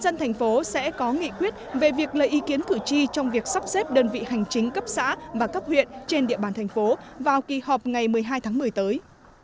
dân thành phố sẽ có nghị quyết về việc lấy ý kiến cử tri trong việc sắp xếp đơn vị hành chính cấp xã và cấp huyện trên địa bàn thành phố vào kỳ họp ngày một mươi hai tháng một mươi tới